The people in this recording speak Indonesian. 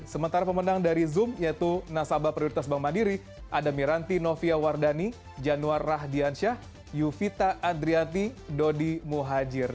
sementara pemenang dari zoom yaitu nasabah prioritas bank mandiri ada miranti novia wardani januar rahdiansyah yuvita adrianti dodi muhajir